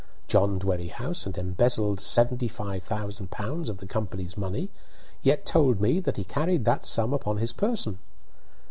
John Dwerrihouse had embezzled seventy five thousand pounds of the company's money, yet told me that he carried that sum upon his person!